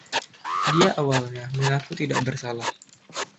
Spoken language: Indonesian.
Dia awalnya mengaku tidak bersalah.